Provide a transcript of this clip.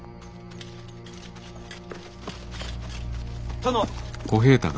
殿。